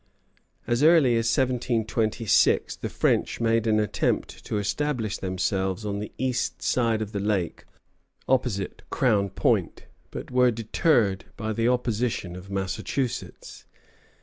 As early as 1726 the French made an attempt to establish themselves on the east side of the lake opposite Crown Point, but were deterred by the opposition of Massachusetts.